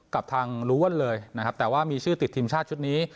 กับทางลูเวิลเลยนะครับแต่ว่ามีชื่อติดทีมชาติชุดนี้